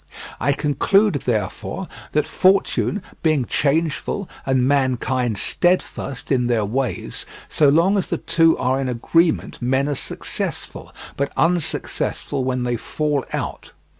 I conclude, therefore that, fortune being changeful and mankind steadfast in their ways, so long as the two are in agreement men are successful, but unsuccessful when they fall out.